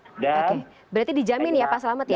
oke berarti dijamin ya pak selamat ya